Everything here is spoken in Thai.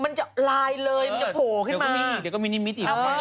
มันจะลายเลยจะโผล่ขึ้นมาเดี๋ยวก็มีนิมมิตอีก